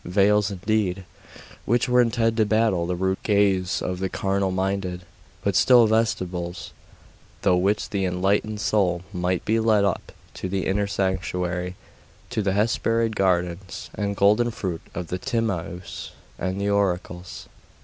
'Veils, indeed, which were intended to baffle the rude gaze of the carnal minded; but still vestibules, through which the enlightened soul might be led up to the inner sanctuary, to the Hesperid gardens and golden fruit of the Timaeus and the oracles....